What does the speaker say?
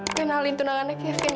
penalin tunangannya kevin